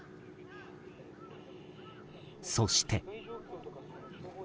そして。